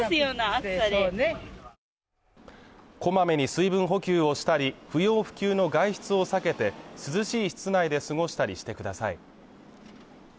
こまめに水分補給をしたり不要不急の外出を避けて涼しい室内で過ごしたりしてください